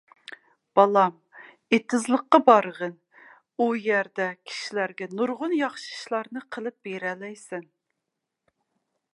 بالام، ئېتىزلىققا بارغىن، ئۇ يەردە كىشىلەرگە نۇرغۇن ياخشى ئىشلارنى قىلىپ بېرەلەيسەن!